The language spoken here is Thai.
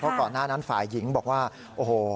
ก่อนหน้านั้นฝ่ายหญิงบอกว่าโอ้โห